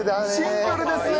シンプルですね！